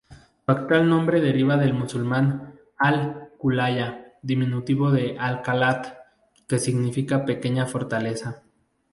Su actual nombre deriva del musulmán "Al-Qulaya", diminutivo de Al-Qalat, que significa pequeña fortaleza.